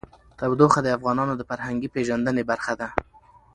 تودوخه د افغانانو د فرهنګي پیژندنې برخه ده.